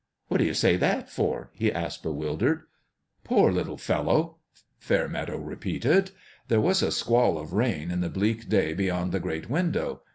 " What do you say that for?" he asked, bewildered. " Poor little fellow !" Fairmeadow repeated. There was a squall of rain in the bleak day be yond the great window.